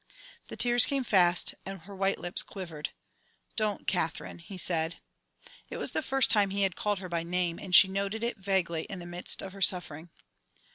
The tears came fast and her white lips quivered. "Don't, Katherine," he said. It was the first time he had called her by name, and she noted it, vaguely, in the midst of her suffering.